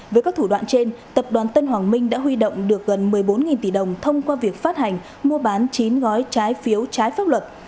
với các thủ đoạn trên tập đoàn tân hoàng minh đã huy động được gần một mươi bốn tỷ đồng thông qua việc phát hành mua bán chín gói trái phiếu trái pháp luật